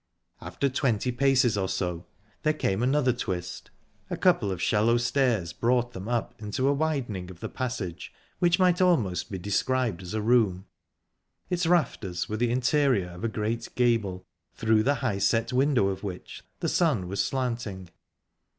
After twenty paces or so, there came another twist. A couple of shallow stairs brought them up into a widening of the passage which might almost be described as a room. Its rafters were the interior of a great gable, through the high set window of which the sun was slanting.